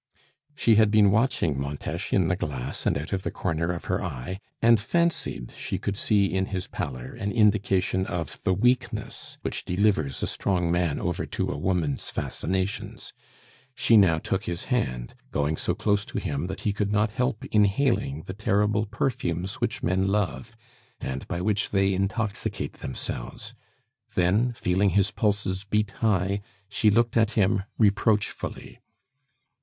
She had been watching Montes in the glass and out of the corner of her eye, and fancied she could see in his pallor an indication of the weakness which delivers a strong man over to a woman's fascinations; she now took his hand, going so close to him that he could not help inhaling the terrible perfumes which men love, and by which they intoxicate themselves; then, feeling his pulses beat high, she looked at him reproachfully.